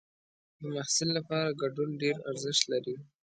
د محصل لپاره ګډون ډېر ارزښت لري.